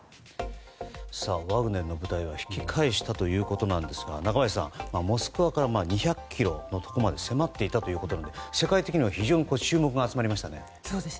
ワグネルの部隊は引き返したということなんですが中林さん、モスクワから２００ｋｍのところまで迫っていたということで世界的には非常に注目が集まりましたね。